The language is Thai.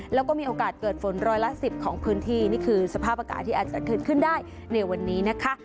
แล้วก็มีโอกาสเกิดฝนร้อยละสิบของพื้นที่นี่คือสภาพอากาศที่อาจจะเกิดขึ้นได้ในวันนี้นะคะ